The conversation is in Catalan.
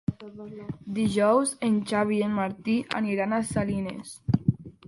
Dijous en Xavi i en Martí aniran a Salines.